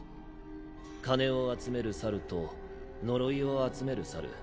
金を集める猿と呪いを集める猿。